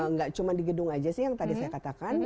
nggak cuma di gedung aja sih yang tadi saya katakan